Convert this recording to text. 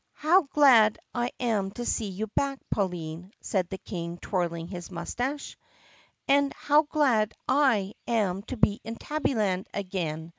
"How glad I am to see you back, Pauline!" said the King twirling his mustache. "And how glad / am to be in Tabbyland again!"